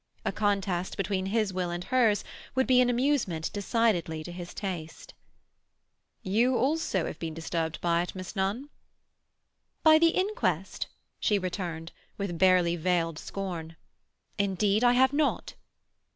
A contest between his will and hers would be an amusement decidedly to his taste. "You also have been disturbed by it, Miss Nunn." "By the inquest?" she returned, with barely veiled scorn. "Indeed I have not."